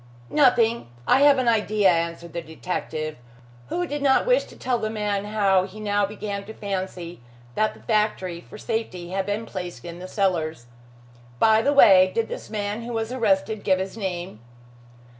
"Nothing. I have an idea," answered the detective, who did not wish to tell the man how he now began to fancy that the factory for safety had been placed in the cellars. "By the way, did this man who was arrested give his name?"